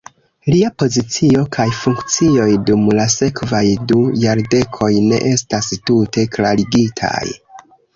Lia pozicio kaj funkcioj dum la sekvaj du jardekoj ne estas tute klarigitaj.